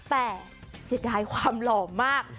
แต่เสียดายความหล่อมาก